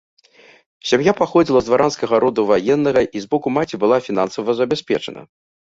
Сям'я паходзіла з дваранскага роду ваеннага і з боку маці была фінансава забяспечана.